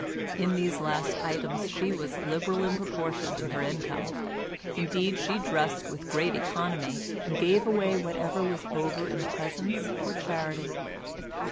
In these last items she was liberal in proportion to her income; indeed she dressed with great economy and gave away whatever was over in presents or charity.